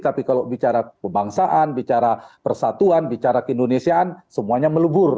tapi kalau bicara kebangsaan bicara persatuan bicara keindonesiaan semuanya melebur